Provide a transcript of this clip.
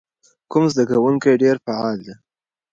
کوم زده کوونکی ډېر فعال دی؟